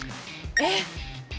えっ？